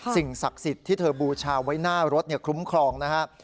สิ่งศักดิ์สิทธิ์ที่เธอบูชาไว้หน้ารถคลุ้มครองนะครับ